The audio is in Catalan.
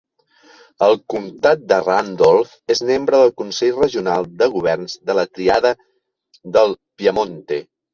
El comptat de Randolph és membre del Consell Regional de governs de la Tríada del Piamonte.